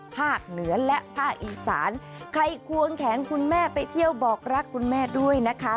ภาคเหนือและภาคอีสานใครควงแขนคุณแม่ไปเที่ยวบอกรักคุณแม่ด้วยนะคะ